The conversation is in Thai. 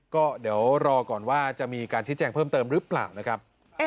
ก็เดี๋ยวรอก่อนว่าจะมีการชี้แจงเพิ่มเติมหรือเปล่านะครับ